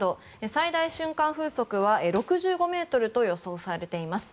最大瞬間風速は６５メートルと予想されています。